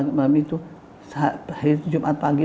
hari itu jumat pagi